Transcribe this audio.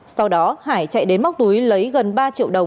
sau đó hải chạy đến móc túi lấy gần ba triệu đồng